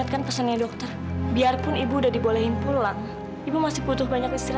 aku akan melukis wajahmu